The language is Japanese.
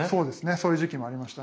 そういう時期もありましたね。